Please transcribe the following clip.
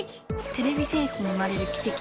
てれび戦士に生まれるきせき